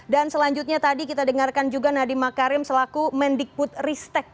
dan selanjutnya tadi kita dengarkan juga nadi makarim selaku mendikbud ristek